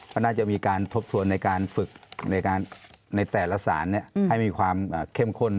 ก็น่าจะมีการทบทวนในการฝึกในแต่ละสารให้มีความเข้มข้น